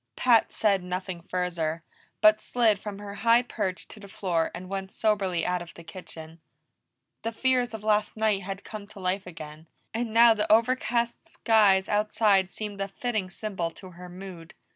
Pat said nothing further, but slid from her high perch to the floor and went soberly out of the kitchen. The fears of last night had come to life again, and now the over cast skies outside seemed a fitting symbol to her mood.